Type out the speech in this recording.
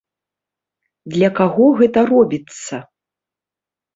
Для каго гэта робіцца?